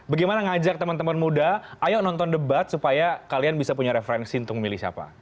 bagaimana ngajak teman teman muda ayo nonton debat supaya kalian bisa punya referensi untuk memilih siapa